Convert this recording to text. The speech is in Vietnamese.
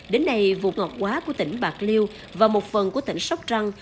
đến nay vụ ngọt quá của tỉnh bạc liêu và một phần của tỉnh sóc trăng